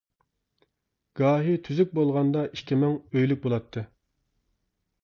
گاھى تۈزۈك بولغاندا ئىككى مىڭ ئۆيلۈك بولاتتى.